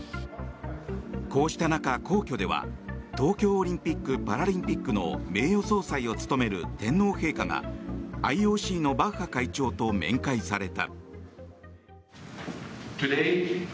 こうした中、皇居では東京オリンピック・パラリンピックの名誉総裁を務める天皇陛下がＩＯＣのバッハ会長と面会された。